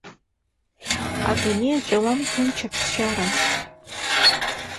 Адунеи аҿы иауам ҭынч аԥсшьара.